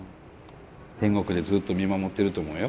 天国でずっと見守ってると思うよ。